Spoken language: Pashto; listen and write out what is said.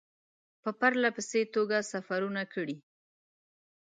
په پرله پسې توګه سفرونه کړي.